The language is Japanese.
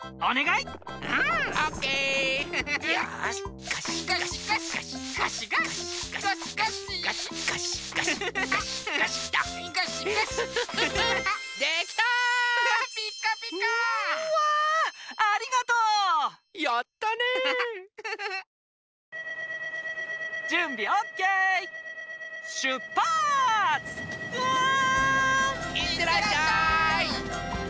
いってらっしゃい！